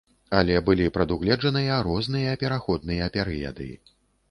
Але былі прадугледжаныя розныя пераходныя перыяды.